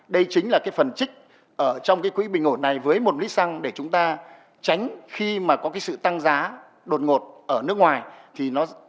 đây chính là phần trích trong quỹ bình ổn này với một lít xăng để chúng ta tránh khi có sự tăng giá đột ngột ở nước ngoài